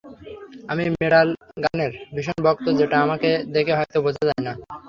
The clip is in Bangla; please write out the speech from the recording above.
আমি মেটাল গানের ভীষণ ভক্ত, যেটা আমাকে দেখে হয়তো বোঝা যায় না।